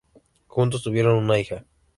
Juntos tuvieron una hija.